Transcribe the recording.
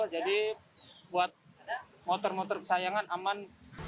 jadi buat motor motor kesayangan aman